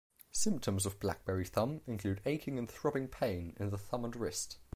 Symptoms of BlackBerry thumb include aching and throbbing pain in the thumb and wrist.